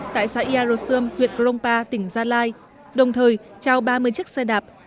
tại xã yaro sơm huyện krongpa tỉnh gia lai đồng thời trao ba mươi chiếc xe đạp